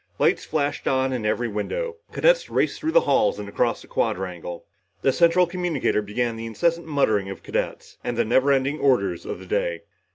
Lights flashed on in every window. Cadets raced through the halls and across the quadrangle. The central communicator began the incessant mustering of cadets, and the never ending orders of the day.